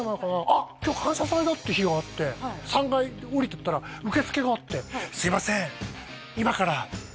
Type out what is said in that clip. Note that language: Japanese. あっ今日「感謝祭」だっていう日があって３階下りていったら受付があってすいません